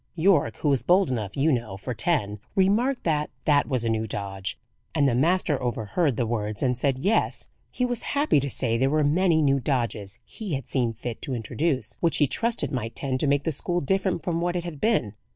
Yorke, who is bold enough, you know, for ten, remarked that that was a new dodge, and the master overheard the words, and said, Yes, he was happy to say there were many new 'dodges' he had seen fit to introduce, which he trusted might tend to make the school different from what it had been.